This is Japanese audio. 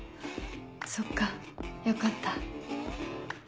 そっかよかった。